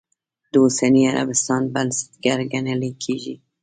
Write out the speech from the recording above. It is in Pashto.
د اوسني عربستان بنسټګر ګڼلی کېږي.